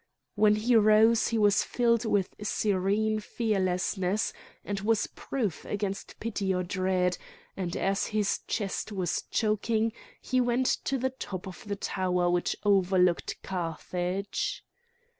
When he rose he was filled with serene fearlessness and was proof against pity or dread, and as his chest was choking he went to the top of the tower which overlooked Carthage.